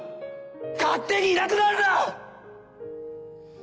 勝手にいなくなるな！